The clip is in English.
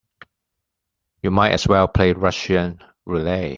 You might as well play Russian roulette.